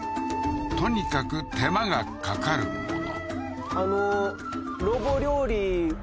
とにかく手間がかかるもの